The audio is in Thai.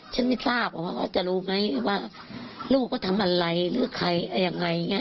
ฉันไม่ทราบว่าเค้าจะรู้ไหมว่าลูกก็ทำอะไรหรือใครอะไรอย่างเงี้ย